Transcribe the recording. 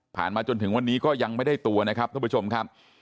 มาจนถึงวันนี้ก็ยังไม่ได้ตัวนะครับท่านผู้ชมครับ